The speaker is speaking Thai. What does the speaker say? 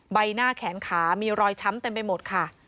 ใบหน้าแขนขามีรอยช้ำเต็มไปหมดค่ะ